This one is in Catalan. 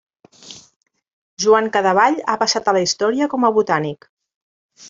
Joan Cadevall ha passat a la història com a botànic.